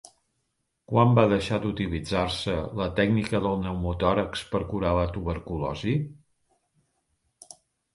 Quan va deixar d'utilitzar-se la tècnica del pneumotòrax per cura la tuberculosi?